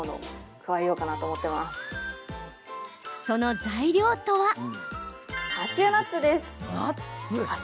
その材料とは？